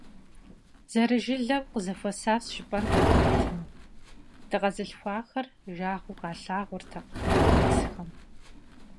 Зэрыжылэу къызэхуэсащ жыпӀэнт абы хэтыну: дыкъэзылъхуахэр жагъуэу къалъагъуртэкъым къуажэдэсхэм.